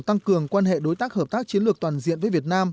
tăng cường quan hệ đối tác hợp tác chiến lược toàn diện với việt nam